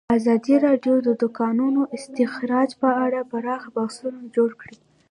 ازادي راډیو د د کانونو استخراج په اړه پراخ بحثونه جوړ کړي.